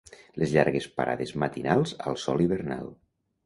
Les llargues parades matinals al sol hivernal